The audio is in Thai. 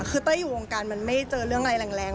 คือเต้ยอยู่วงการมันไม่เจอเรื่องอะไรแรง